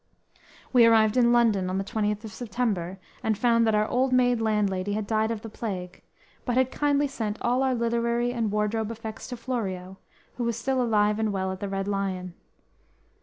We arrived in London on the 20th of September, and found that our old maid landlady had died of the plague, but had kindly sent all our literary and wardrobe effects to Florio, who was still alive and well at the Red Lion.